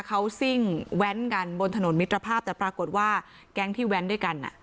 เขาซิ่งแว้นกันบนถนนมิตรภาพแต่ปรากฏว่าแก๊งที่แว้นด้วยกันอ่ะ